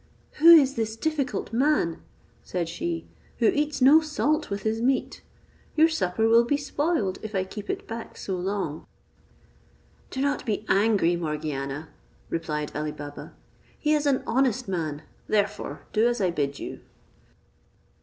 "Who is this difficult man," said she, "who eats no salt with his meat? Your supper will be spoiled, if I keep it back so long." "Do not be angry, Morgiana," replied Ali Baba: "he is an honest man; therefore do as I bid you."